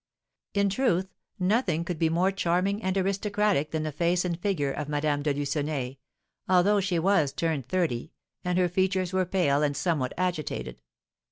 In truth, nothing could be more charming and aristocratic than the face and figure of Madame de Lucenay, although she was turned thirty, and her features were pale and somewhat agitated.